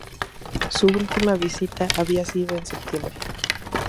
Su última visita había sido en septiembre.